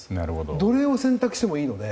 どれを選択してもいいので。